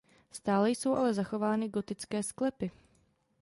Stále jsou ale zachovány gotické sklepy.